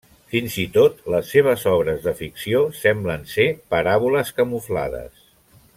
Fins i tot les seves obres de ficció semblen ser paràboles camuflades.